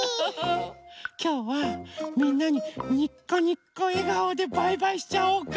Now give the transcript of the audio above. きょうはみんなににこにこえがおでバイバイしちゃおうか。